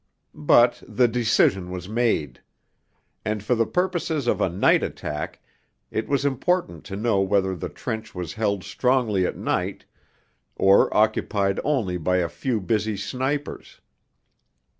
But the decision was made; and for the purposes of a night attack it was important to know whether the trench was held strongly at night, or occupied only by a few busy snipers.